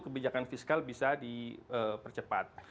kebijakan fiskal bisa dipercepat